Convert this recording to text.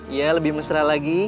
iya lebih mesra lagi